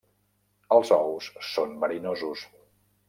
Els ous són verinosos.